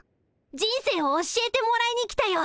人生を教えてもらいに来たよ。